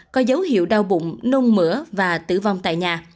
có dấu hiệu đau bụng nôn mửa và tử vong tại nhà